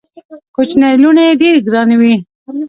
کوچنۍ لوڼي ډېري ګراني وي.